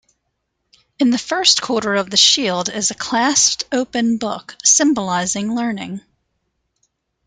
In the first quarter of the shield is a clasped open book, symbolising learning.